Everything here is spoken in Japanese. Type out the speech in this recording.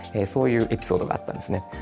そういうエピソードがあったんですね。